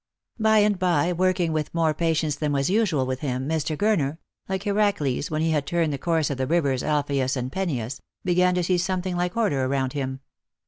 By and by, working with more patience than was usual with him, Mr. Gurner — like Herakles when he had turned the course of the rivers Alpheius and Peneius — began to see something like order around him.